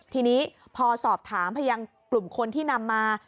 ทีนี้พอสอบถามไปยังกลุ่มคนที่นำมา